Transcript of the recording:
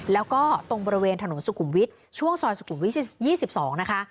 แล้วก็ตรงบริเวณถนนสุขุมวิทย์ช่วงซอยสุขุมวิท๒๒นะคะ